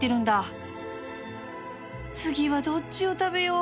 次はどっちを食べよう